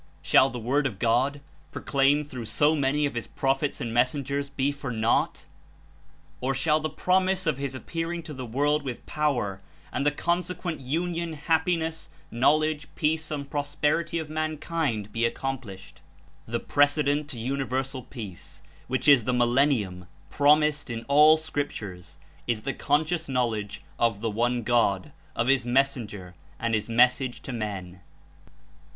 Shall the Word of God, proclaimed through so many of his prophets and messengers, be for naught? Or sliall the promise of His appearing to the world with power, and the consequent union, happiness, know ledge, peace and prosperity of mankind be accom plished? The precedent to universal peace, which Is the "millennium" promised In all scriptures. Is the conscious knowledge of the One God, of His Mes senger and His Message to men.